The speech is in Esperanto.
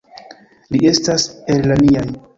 Li estas el la niaj.